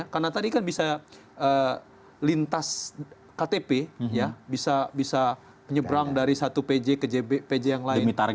karena tadi kan bisa lintas ktp bisa menyebrang dari satu pj ke pj yang lain